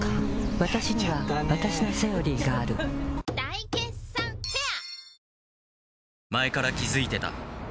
わたしにはわたしの「セオリー」がある大決算フェア